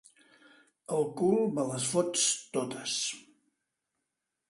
Al cul me les fots totes.